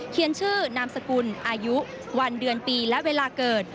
ชื่อนามสกุลอายุวันเดือนปีและเวลาเกิด